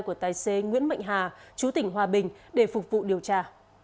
của tài xế nguyễn mạnh hà chú tỉnh hòa bình để phục vụ điều tra